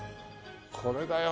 これだよ。